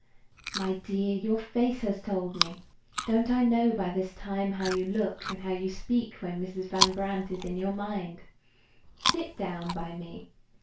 "My dear, your face has told me. Don't I know by this time how you look and how you speak when Mrs. Van Brandt is in your mind. Sit down by me.